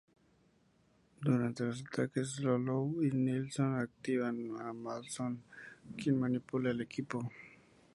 Durante los ataques, Solow y Nilson activan a Maddox, quien manipula el equipo.